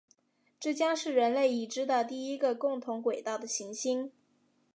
这将是人类已知的第一个共同轨道的行星。